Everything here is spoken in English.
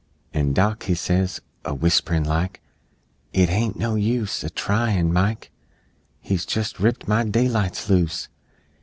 An' Dock he says, A whisperin' like, "It hain't no use A tryin'! Mike He's jes' ripped my daylights loose!